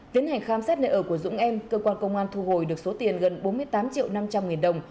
tiến hành khám xét nơi ở của dũng em cơ quan công an thu hồi được số tiền gần bốn mươi tám triệu năm trăm linh nghìn đồng